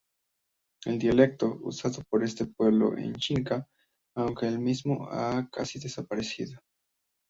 El dialecto usado por este pueblo es Xinca, aunque el mismo ha casi desaparecido.